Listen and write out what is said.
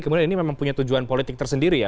kemudian ini memang punya tujuan politik tersendiri ya